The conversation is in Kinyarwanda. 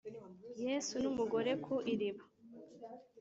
Yesu n umugore ku iriba